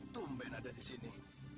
tumben ada di sini